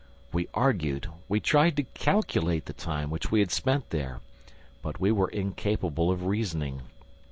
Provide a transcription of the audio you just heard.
We argued, we tried to calculate the time which we had spent there, but we were incapable of reasoning.